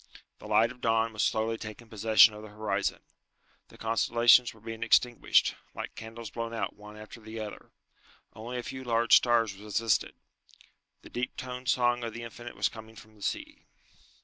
The light of dawn was slowly taking possession of the horizon. The constellations were being extinguished, like candles blown out one after the other. Only a few large stars resisted. The deep toned song of the Infinite was coming from the sea.